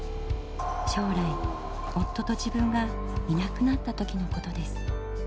将来夫と自分がいなくなった時のことです。